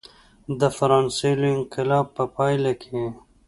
د فرانسې لوی انقلاب په پایله کې.